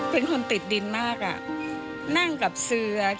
เป็นคนติดดินมากนั่งกับเสือ